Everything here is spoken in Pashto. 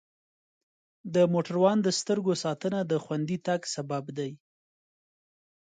د موټروان د سترګو ساتنه د خوندي تګ سبب دی.